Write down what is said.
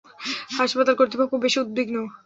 হাসপাতাল কর্তৃপক্ষ বেশ উদ্বিগ্ন!